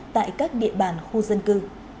tại các địa bàn khu dân cư